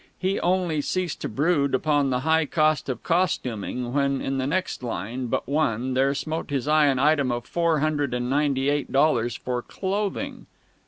He only ceased to brood upon the high cost of costuming when in the next line but one there smote his eye an item of four hundred and ninety eight dollars for "Clothing."